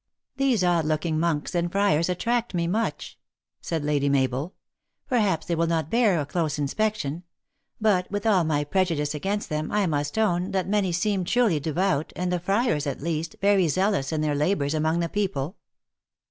" These odd looking monks and friars attract me much," said Lady Mabel :" perhaps they will not bear a close inspection ; but, with all my prejudice against them, I must own, that many seem truly de vout, and the friars, at least, very zealous in their labors among the people."